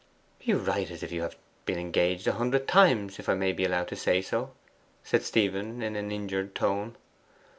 'You write as if you had been engaged a hundred times, if I may be allowed to say so,' said Stephen in an injured tone.